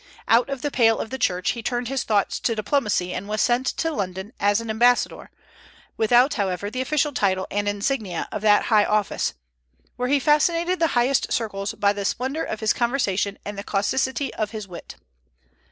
Out of the pale of the Church, he turned his thoughts to diplomacy, and was sent to London as an ambassador, without, however, the official title and insignia of that high office, where he fascinated the highest circles by the splendor of his conversation and the causticity of his wit.